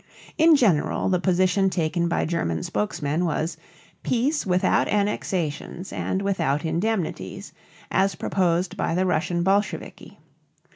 In general the position taken by German spokesmen was "peace without annexations and without indemnities," as proposed by the Russian Bolsheviki.